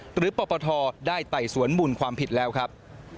หรือปรปธได้ไต่สวนหมุนความผิดแล้วครับ